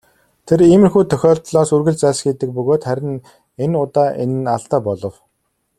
Тэр иймэрхүү тохиолдлоос үргэлж зайлсхийдэг бөгөөд харин энэ удаа энэ нь алдаа болов.